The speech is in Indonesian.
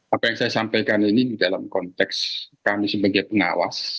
apa yang saya sampaikan ini di dalam konteks kami sebagai pengawas